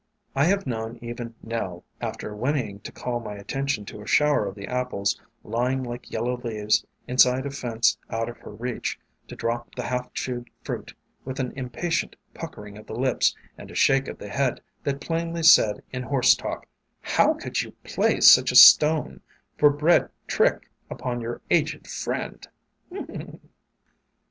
I have known even Nell, after whinnying to call my attention to a shower of the apples lying like yel low leaves inside a fence out of her reach, to drop the half chewed fruit with an impatient puckering of the lips and a shake of the head that plainly said in horse talk, "How could you play such a stone for bread trick upon your aged friend?"